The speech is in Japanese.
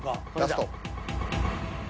ラスト。